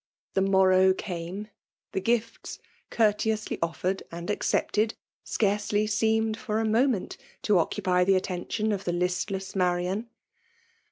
The morrow came; the gifts, courteously oflfoted and accepted, scarcely seemed for a moment. to occupy the attention of the listlesir Marian.